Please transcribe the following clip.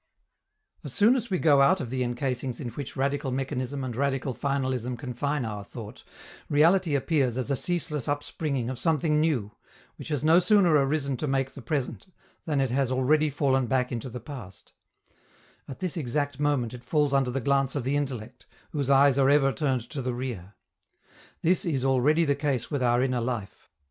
As soon as we go out of the encasings in which radical mechanism and radical finalism confine our thought, reality appears as a ceaseless upspringing of something new, which has no sooner arisen to make the present than it has already fallen back into the past; at this exact moment it falls under the glance of the intellect, whose eyes are ever turned to the rear. This is already the case with our inner life.